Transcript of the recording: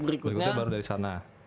berikutnya baru dari sana